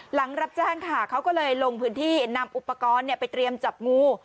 หลังรับแจ้งค่ะเขาก็เลยลงพื้นที่นำอุปกรณ์ไปเตรียมจับงู